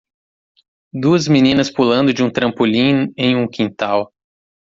Duas meninas pulando de um trampolim em um quintal.